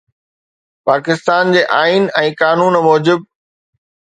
پاڪستان جي آئين ۽ قانون موجب